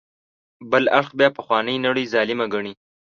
بل اړخ بیا پخوانۍ نړۍ ظالمه ګڼي.